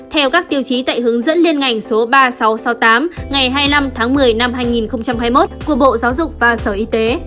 theo các tiêu chí tại hướng dẫn liên ngành số ba nghìn sáu trăm sáu mươi tám ngày hai mươi năm tháng một mươi năm hai nghìn hai mươi một của bộ giáo dục và sở y tế